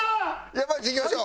山内いきましょう。